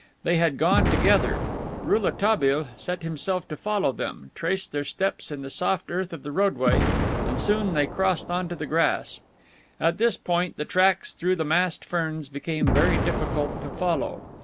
They had gone together. Rouletabille set himself to follow them, traced their steps in the soft earth of the roadway and soon they crossed onto the grass. At this point the tracks through the massed ferns became very difficult to follow.